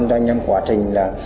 cho anh em quá trình